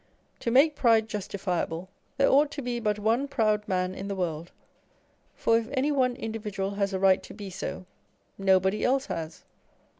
To make pride justifiable, there ought to be but one proud man in the world, for if any one individual has a right to be so, nobody else has.